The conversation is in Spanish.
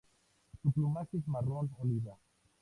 Su plumaje es marrón oliva.